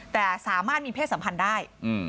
แต่สามารถมีเพศสัมพันธ์ได้